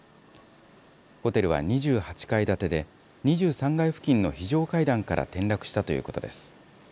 ホテルは２８階建てで２３階付近の非常階段から転落したということです。